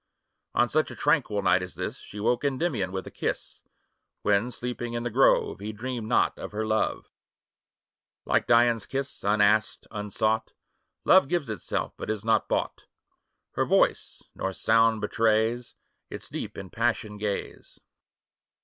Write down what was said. On such a tranquil night as this, io She woke Kndymion with a kis^, When, sleeping in tin grove, He dreamed not of her love. Like Dian's kiss, unasked, unsought, Love gives itself, but is not bought ; 15 Nor voice, nor sound betrays Its deep, impassioned ga/e.